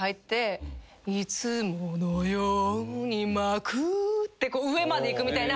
「いつものように幕」って上までいくみたいな。